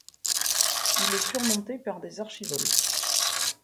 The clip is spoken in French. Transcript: Il est surmonté par des archivoltes.